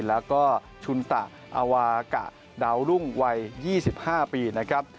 แล้วก็ชุนตะอาวากะดาวรุ่งวัย๒๕ปีนะครับ